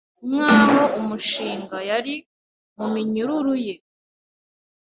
nkaho umushinga yari muminyururu ye